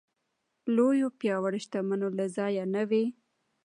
لوی پياوړ شتمنو له ځایه نه وي.